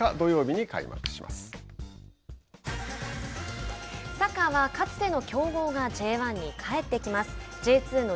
日本シリーズはサッカーは、かつての強豪がＪ１に帰ってきます。